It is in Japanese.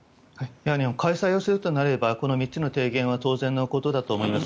開催をするとなればこの３つの提言は当然のことだと思います。